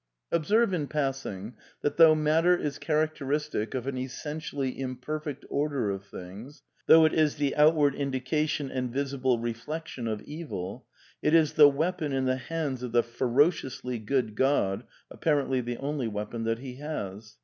Observe, in passing, that, though Matter is " character istic of an essentially imperfect order of things," though it is ^^ the outward indication and visible reflection of Evil," it is the weapon in the hands of the ferociously good God (apparently the only weapon that he has).